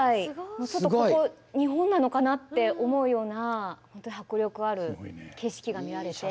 もうちょっとここ日本なのかなって思うような本当に迫力ある景色が見られて。